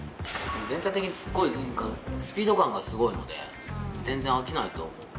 全体的にすごいスピード感がすごいので全然飽きないと思いますね